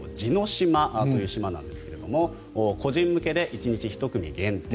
島という島なんですが個人向けで１日１組限定。